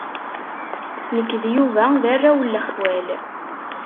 Nekk d Yuba d arraw n lexwal.